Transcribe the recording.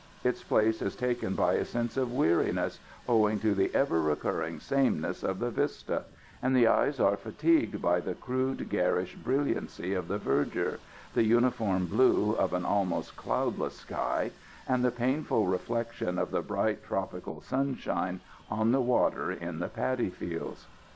Its place is taken by a sense of weariness, owing to the ever recurring sameness of the vista; and the eyes are fatigued by the crude, garish brilliancy of the verdure, the uniform blue of an almost cloudless sky, and the painful reflection of the bright tropical sunshine on the water in the paddy fields.